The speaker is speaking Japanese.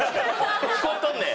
聞こえとんねん！